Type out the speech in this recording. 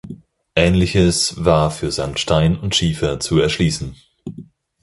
Ähnliches war für Sandstein und Schiefer zu erschließen.